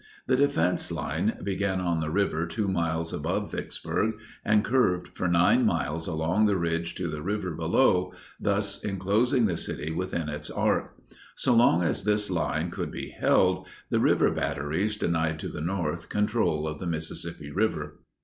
The defense line began on the river 2 miles above Vicksburg and curved for 9 miles along the ridge to the river below, thus enclosing the city within its arc. So long as this line could be held, the river batteries denied to the North control of the Mississippi River.